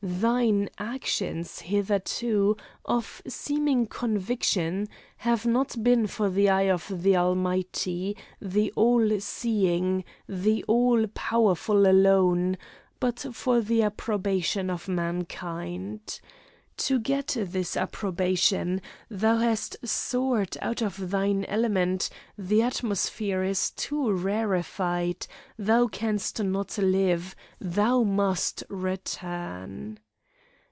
Thine actions hitherto, of seeming conviction, have not been for the eye of the Almighty, the All seeing, the All powerful alone, but for the approbation of mankind. To get this approbation thou hast soared out of thine element; the atmosphere is too rarified, thou canst not live, thou must return!